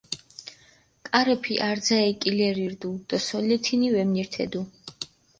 კარეფი არძა ეკილერი რდუ დო სოლეთინი ვემნირთედუ.